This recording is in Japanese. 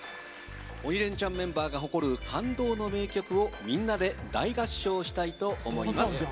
「鬼レンチャン」メンバーが誇る感動の名曲をみんなで大合唱したいと思います。